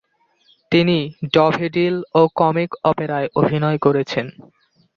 তিনি ভডেভিল ও কমিক অপেরায় অভিনয় করেছেন।